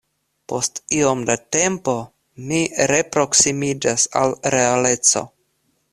Post iom da tempo, mi reproksimiĝas al realeco.